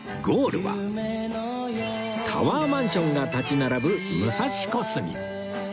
ゴールはタワーマンションが立ち並ぶ武蔵小杉